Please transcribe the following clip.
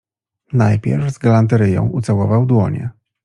Najpierw z galanteryją ucałował dłonie